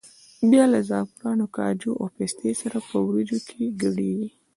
بیا له زعفرانو، کاجو او پستې سره په وریجو کې ګډېږي.